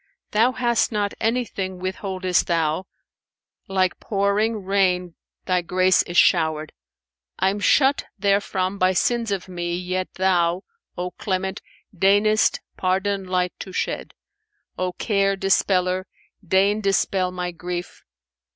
Thou hast not anything withholdest Thou; * Like pouring rain Thy grace is showered: I'm shut therefrom by sins of me, yet Thou, * O Clement, deignest pardon light to shed. O Care Dispeller, deign dispel my grief!